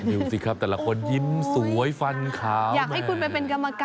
มิวสิครับแต่ละคนยิ้มสวยฟันขาวแม่